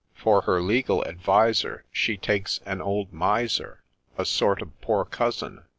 For her legal adviser She takes an old Miser, A sort of ' poor cousin.'